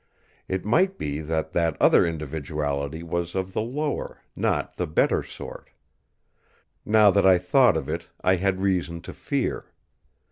It might be that that other individuality was of the lower, not of the better sort! Now that I thought of it I had reason to fear.